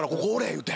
言うて。